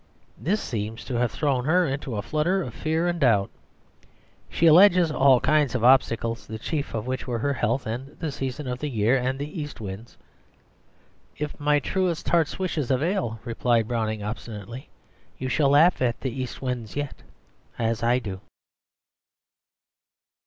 This seems to have thrown her into a flutter of fear and doubt. She alleges all kinds of obstacles, the chief of which were her health and the season of the year and the east winds. "If my truest heart's wishes avail," replied Browning obstinately, "you shall laugh at east winds yet as I do."